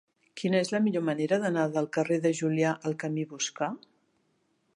Quina és la millor manera d'anar del carrer de Julià al camí Boscà?